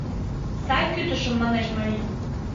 — Сай кӱтышым, — манеш марий.